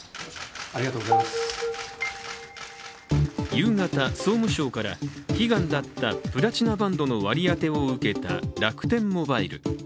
夕方、総務省から悲願だったプラチナバンドの割り当てを受けた楽天モバイル。